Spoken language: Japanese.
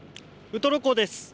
ウトロ港です。